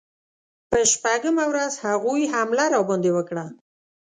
په شپږمه ورځ هغوی حمله راباندې وکړه.